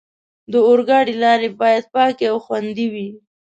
د اورګاډي لارې باید پاکې او خوندي وي.